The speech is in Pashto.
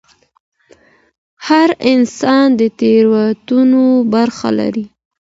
هر انسان د تیروتنو برخه لري.